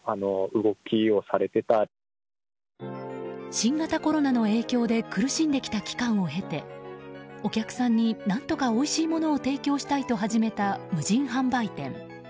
新型コロナの影響で苦しんできた期間を経てお客さんに何とかおいしいものを提供したいと始めた無人販売店。